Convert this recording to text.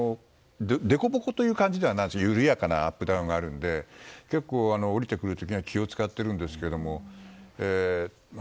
でこぼこという感じではないけど緩やかなアップダウンがあるので結構、降りてくる時には気を使ってるんですが。